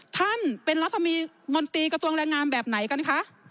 ท่านเป็นรัฐมนตรีมนตรีกระทรวงแรงงานแบบไหนกันคะ